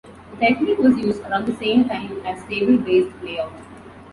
The technique was used around the same time as table-based layout.